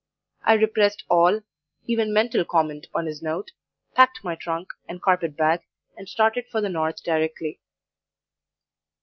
I repressed all even mental comment on his note packed my trunk and carpet bag, and started for the North directly.